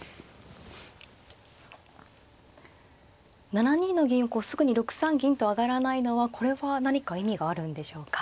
７二の銀をこうすぐに６三銀と上がらないのはこれは何か意味があるんでしょうか。